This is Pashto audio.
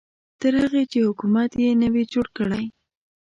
تر هغې چې حکومت یې نه وي جوړ کړی.